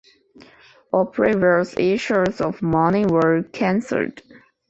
All previous issues of money were cancelled.